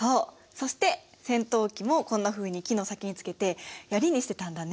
そして尖頭器もこんなふうに木の先につけてヤリにしてたんだね。